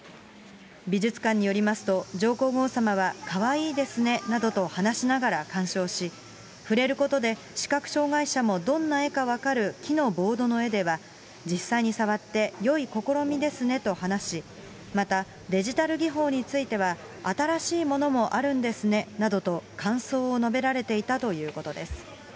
美術館によりますと、上皇后さまはかわいいですねなどと話しながら鑑賞し、触れることで視覚障害者もどんな絵か分かる木のボードの絵では、実際に触って、よい試みですねと話し、またデジタル技法については、新しいものもあるんですねなどと、感想を述べられていたということです。